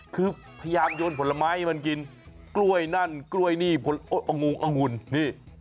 คือพยายามโยนผลไม้ให้มันกินกล้วยนั่นกล้วยนี่องงองุ่นนี่